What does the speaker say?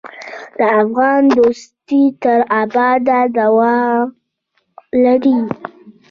د افغان دوستي تر ابده دوام لري.